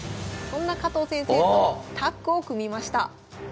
そんな加藤先生とタッグを組みました。